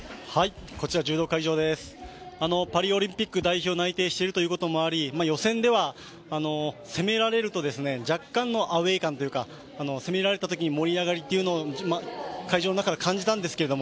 パリオリンピック代表内定しているということもあり予選では攻められると若干のアウェー感というか攻められたときに盛り上がりというのを会場から感じたんですけど